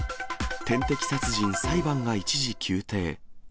点滴殺人、裁判が一時休廷。